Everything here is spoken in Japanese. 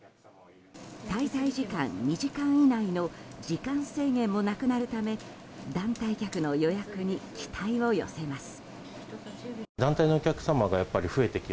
滞在時間２時間以内の時間制限もなくなるため団体客の予約に期待を寄せます。